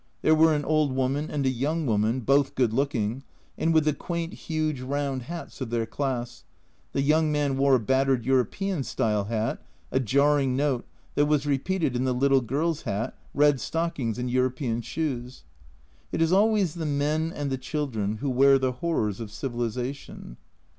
There were an old woman and a young woman, both good looking, and with the quaint huge round hats of their class, the young man wore a battered Euro pean style hat a jarring note, that was repeated in the little girl's hat, red stockings, and European shoes. It is always the men and the children who wear the horrors of civilisation.